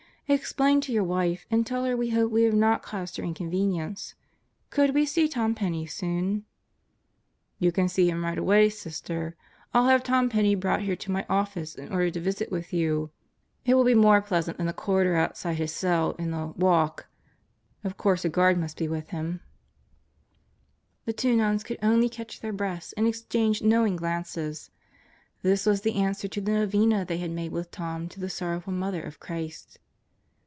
Explain to your wife and tell her we hope we have not caused her incon venience. ... Could we see Tom Penney soon?" Birthdays in the Deathhouse 69 "You can see him right away, Sisters. I'll have Tom Penney brought here to my office in order to visit with you. It will be more pleasant than the corridor outside his cell in 'the walk. 7 Of course a guard must be with him," The two nuns could only catch their breaths and exchange knowing glances. This was the answer to the novena they had made with Tom to the Sorrowful Mother of Christ.